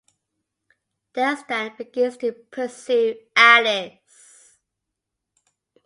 Des then begins to pursue Alice.